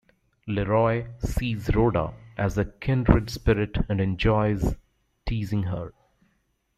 Leroy sees Rhoda as a kindred spirit and enjoys teasing her.